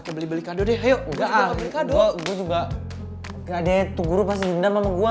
gak deh tuh guru pasti jendan sama gue